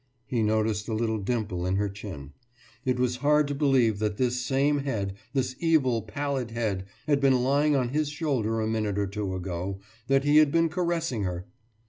He noticed a little dimple in her chin. It was hard to believe that this same head, this evil pallid head, had been lying on his shoulder a minute or two ago, that he had been caressing her!